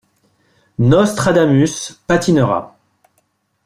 Nostradamus patinera.